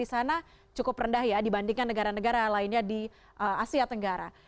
di sana cukup rendah ya dibandingkan negara negara lainnya di asia tenggara